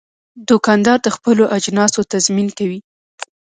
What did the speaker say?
دوکاندار د خپلو اجناسو تضمین کوي.